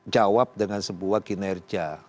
jawab dengan sebuah kinerja